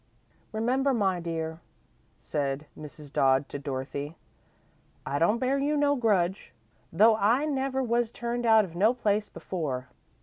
"Remember, my dear," said Mrs. Dodd to Dorothy; "I don't bear you no grudge, though I never was turned out of no place before.